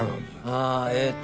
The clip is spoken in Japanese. ああえっと